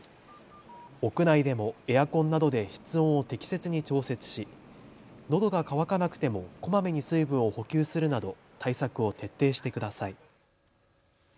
屋内でもエアコンなどで室温を適切に調節しのどが渇かなくてもこまめに水分を補給するなど対策を徹底してください。